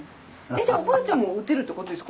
えじゃあおばあちゃんも打てるってことですか？